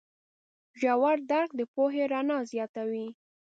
ژور درک د پوهې رڼا زیاتوي.